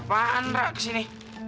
pake apaan ra kesini